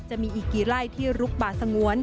จะมีอีกกี่ไร่ที่ลุกป่าสงวน